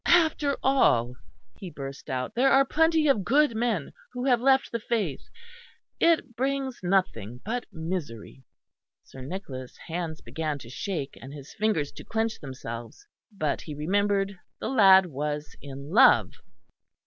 "After all," he burst out, "there are plenty of good men who have left the faith. It brings nothing but misery." Sir Nicholas' hands began to shake, and his fingers to clench themselves; but he remembered the lad was in love.